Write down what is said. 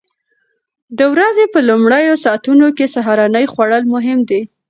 د ورځې په لومړیو ساعتونو کې سهارنۍ خوړل مهم دي.